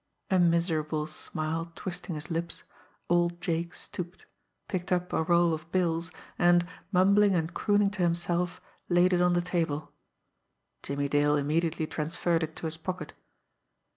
A miserable smile twisting his lips, old Jake stooped, picked up a roll of bills, and, mumbling and crooning to himself, laid it on the table. Jimmie Dale immediately transferred it to his pocket.